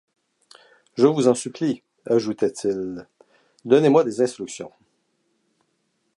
Je vous en supplie, ajoutait-il, donnez-moi des instructions.